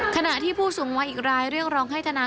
ขณะที่ผู้สูงวัยอีกรายเรียกร้องให้ธนา